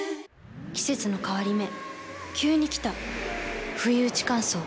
季節の変わり目急に来たふいうち乾燥。